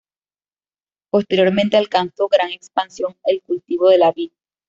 Posteriormente alcanzó gran expansión el cultivo de la vid.